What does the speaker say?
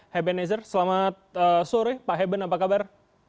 heben nezer selamat sore pak heben apa kabar